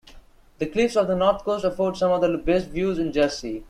The cliffs of the north coast afford some of the best views in Jersey.